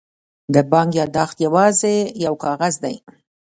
د بانک یادښت یوازې یو کاغذ دی.